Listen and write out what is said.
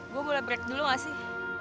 gue boleh break dulu gak sih